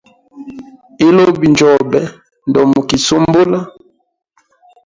Ilubi njobe, ndomikisumbula.